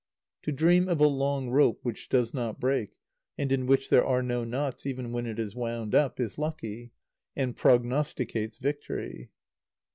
To dream of a long rope which does not break, and in which there are no knots even when it is wound up, is lucky, and prognosticates victory.